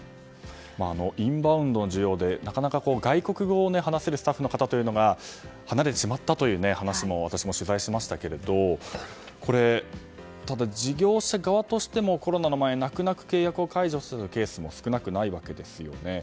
インバウンドの需要で外国語を話せるスタッフの方が離れてしまったという話も私も取材しましたがこれ、事業者側としてもコロナの前、泣く泣く契約を解除したケースも少なくないわけですよね。